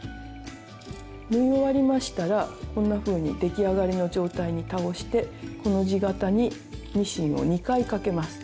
縫い終わりましたらこんなふうに出来上がりの状態に倒してコの字形にミシンを２回かけます。